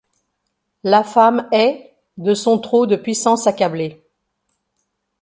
La femme est. de son trop de puissance accablée ;